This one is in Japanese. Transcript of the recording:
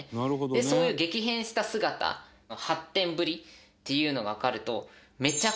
そういう激変した姿発展ぶりっていうのがわかると。